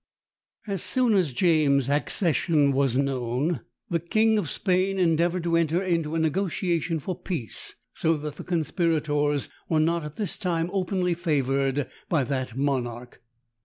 As soon as James's accession was known, the king of Spain endeavoured to enter into a negociation for peace, so that the conspirators were not at this time openly favoured by that monarch.